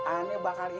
aneh bakal inget